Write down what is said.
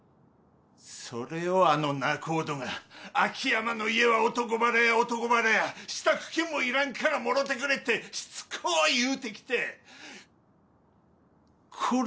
それをあの仲人が秋山の家は男腹や男腹や支度金もいらんからもろてくれってしつこう言うてきてこら